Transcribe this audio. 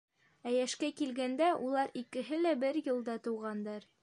Ә йәшкә килгәндә, улар икеһе лә бер йылда тыуғандар.